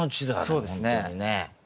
そうですね。